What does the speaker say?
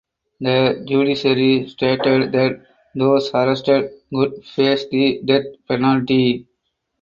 The judiciary stated that those arrested could face the death penalty.